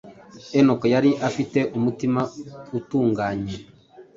Enoki yari afite umutima utunganye,